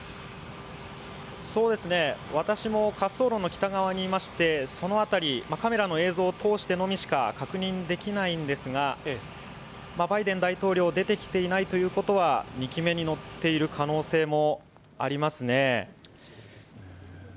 私も滑走路の北側にいまして、その辺り、カメラの映像を通してのみしか確認できないんですがバイデン大統領出てきていないということは、２機目に乗っている可能性もありますね。